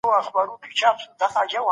دروغ له حقیقت څخه کله ناکله خوندور وي.